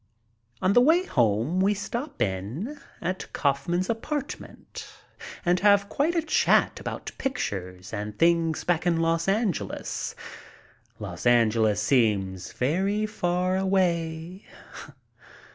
On the way home we stop in at Kaufman's apartment and have quite a chat about pictures and things back in Los Angeles. Los Angeles seems very far away.